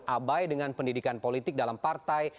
abai dengan pendidikan politik dalam partai